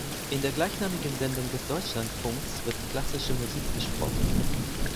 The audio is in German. In der gleichnamigen Sendung des Deutschlandfunks wird klassische Musik besprochen.